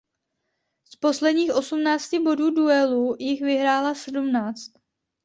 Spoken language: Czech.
Z posledních osmnácti bodů duelu jich vyhrála sedmnáct.